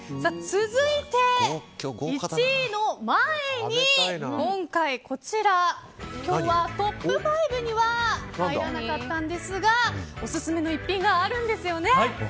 続いて、１位の前に今回、トップ５には入らなかったんですがオススメの逸品があるんですよね。